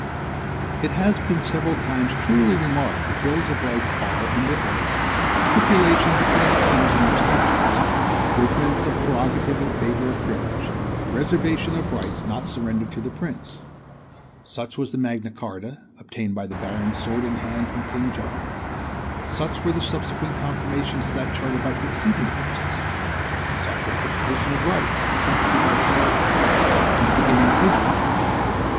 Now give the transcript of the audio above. It has been several times truly remarked that bills of rights are, in their origin, stipulations between kings and their subjects, abridgements of prerogative in favor of privilege, reservations of rights not surrendered to the prince. Such was MAGNA CHARTA, obtained by the barons, sword in hand, from King John. Such were the subsequent confirmations of that charter by succeeding princes. Such was the Petition of Right assented to by Charles I., in the beginning of his reign.